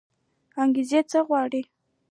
انګرېزان څه غواړي.